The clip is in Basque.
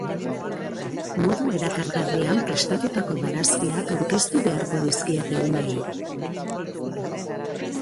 Modu erakargarrian prestatutako barazkiak aurkeztu beharko dizkiete umeei.